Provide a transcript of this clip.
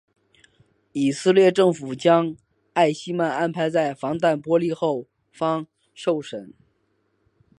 以色列政府将艾希曼安排在防弹玻璃后方受审。